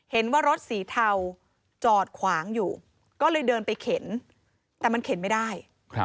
เห็นว่ารถสีเทาจอดขวางอยู่ก็เลยเดินไปเข็นแต่มันเข็นไม่ได้